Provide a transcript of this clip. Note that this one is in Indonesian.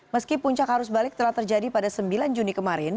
meski puncak arus balik telah terjadi pada sembilan juni kemarin